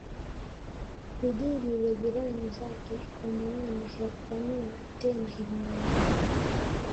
vijiji vya jirani zake kwa maana ya kupanua tena himaya yake